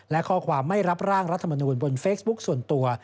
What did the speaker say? และข้อความไม่รับร่างรัฐมนูลบนเฟซบุ๊คส่วนตัว